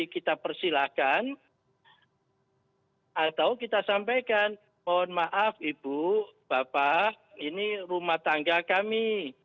kita persilahkan atau kita sampaikan mohon maaf ibu bapak ini rumah tangga kami